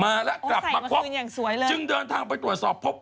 มาแล้วกลับมาควบจึงเดินทางไปตรวจสอบพบว่า